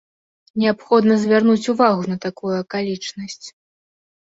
Неабходна звярнуць увагу на такую акалічнасць.